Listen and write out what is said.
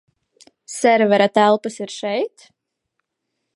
Servera telpas ir šeit?